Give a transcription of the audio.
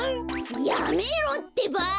やめろってば！